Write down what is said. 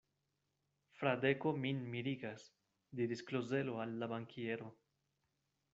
Fradeko min mirigas, diris Klozelo al la bankiero.